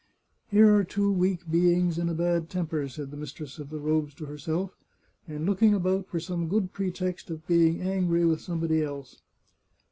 " Here are two weak beings in a bad temper," said the mistress of the robes to herself, " and looking about for some good pretext for being angry with somebody else."